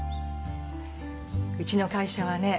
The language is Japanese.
うちの会社はね